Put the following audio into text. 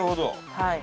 はい。